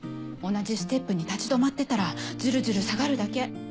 同じステップに立ち止まってたらズルズル下がるだけ。